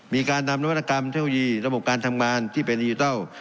มีการนำนวัตกรรมเทคโนโลยีระบบการทำงานที่เป็นดิจิทัล